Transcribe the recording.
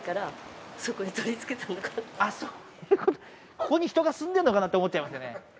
ここに人が住んでんのかなって思っちゃいましてね